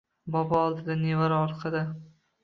Bobo oldinda, nevara orqada.